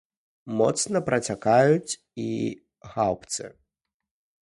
Моцна працякаюць і гаўбцы.